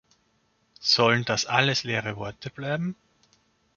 Sollen das alles leere Worte bleiben?